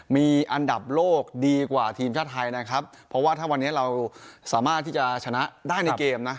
มีอันดับโลกดีกว่าทีมชาติไทยนะครับเพราะว่าถ้าวันนี้เราสามารถที่จะชนะได้ในเกมนะ